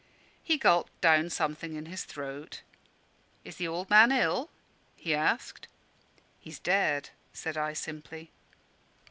He gulped down something in his throat. "Is the old man ill?" he asked. "He's dead," said I, simply.